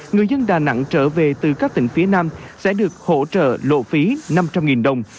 người dân đà nẵng trở về từ các tỉnh phía nam sẽ được hỗ trợ lộ phí năm trăm linh đồng